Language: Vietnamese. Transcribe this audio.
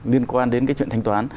liên quan đến cái chuyện thanh toán